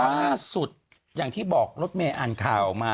ล่าสุดอย่างที่บอกรถเมย์อ่านข่าวมา